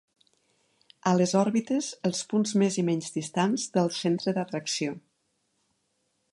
A les òrbites, els punts més i menys distants del centre d'atracció.